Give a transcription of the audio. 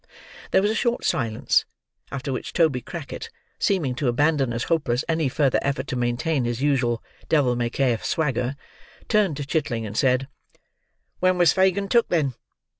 There was a short silence, after which Toby Crackit, seeming to abandon as hopeless any further effort to maintain his usual devil may care swagger, turned to Chitling and said, "When was Fagin took then?"